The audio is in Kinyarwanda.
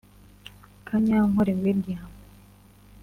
Kanyankore William